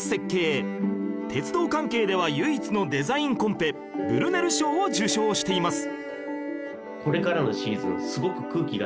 鉄道関係では唯一のデザインコンペブルネル賞を受賞しています